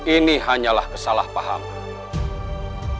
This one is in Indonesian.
ini hanyalah kesalahpahaman